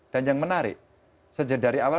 dan yang menarik dari awal